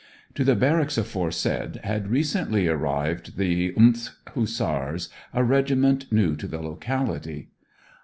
To the barracks aforesaid had recently arrived the th Hussars, a regiment new to the locality.